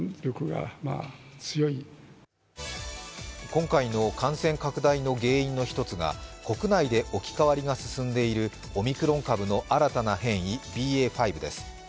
今回の感染拡大の原因の一つが国内で置き換わりが進んでいるオミクロン株の新たな変異ＢＡ．５です。